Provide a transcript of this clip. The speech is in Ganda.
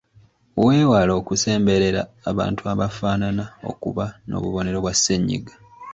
Weewale okusemberera abantu abafaanana okuba n’obubonero bwa ssennyiga.